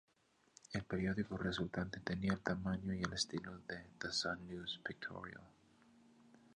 El periódico resultante tenía el tamaño y el estilo de The Sun News-Pictorial.